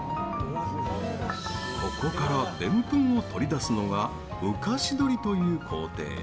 ここからデンプンを取り出すのが浮かし取りという行程。